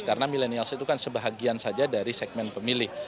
karena milenials itu kan sebahagian saja dari segmen pemilih